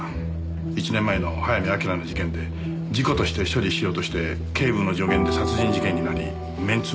１年前の早見明の事件で事故として処理しようとして警部の助言で殺人事件になりメンツを潰された。